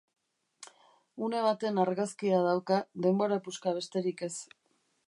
Une baten argazkia dauka, denbora puska besterik ez.